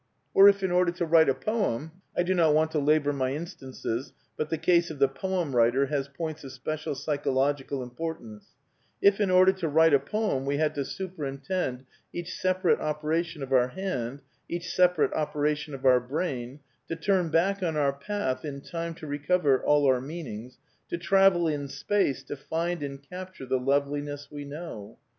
Or if in order to write a poem (I do not want to labour my instances, but the case of the poem writer has points of special psychological importance), if in order to write a poem we had to superintend each sep arate operation of our hand, each separate operation of our brain, to turn back on our path in time to recover all our meanings, to travel in space to find and capture the loveli ness we know.